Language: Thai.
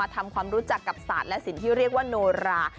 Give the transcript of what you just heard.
ทำความรู้จักกับศาสตร์และสินที่เรียกว่าโนรา